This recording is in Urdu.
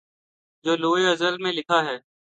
جو لوح ازل میں لکھا ہے